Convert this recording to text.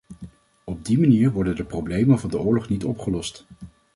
Op die manier worden de problemen van de oorlog niet opgelost.